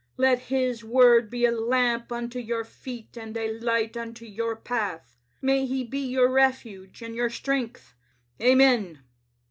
Let His Word be a lamp unto your feet and a light unto your path ; may He be your refuge and your strength. Amen.